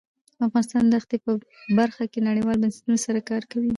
افغانستان د ښتې په برخه کې نړیوالو بنسټونو سره کار کوي.